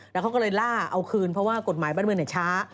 แล้วเขาก็เลยล่าเอาคืนเพราะว่ากฎหมายบ้านเมืองช้า